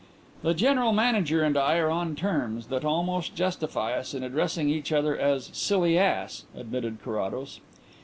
"The General Manager and I are on terms that almost justify us in addressing each other as 'silly ass,'" admitted Carrados.